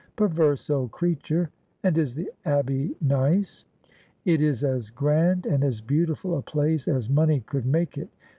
' Perverse old creature ! And is the Abbey nice ?'' It is as grand and as beautiful a place as money could make it.